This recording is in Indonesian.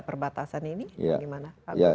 perbatasan ini bagaimana pak